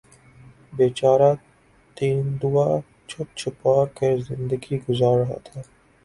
بیچارہ تیندوا چھپ چھپا کر زندگی گزار رہا تھا